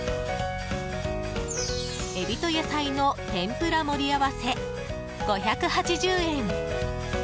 海老と野菜の天ぷら盛り合わせ５８０円。